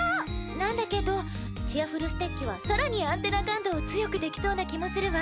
なんだけどチアふるステッキは更にアンテナ感度を強くできそうな気もするわ。